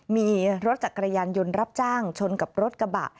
มีรถจักรยานยนต์รับจ้างชนกับรถกระบะ